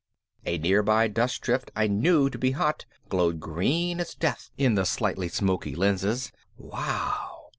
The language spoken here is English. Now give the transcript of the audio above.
A nearby dust drift I knew to be hot glowed green as death in the slightly smoky lenses. Wow!